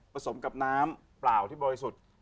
ผสมกับน้ำเปล่าที่บ่อยสุด